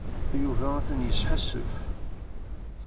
Yuba atan yesḥassef.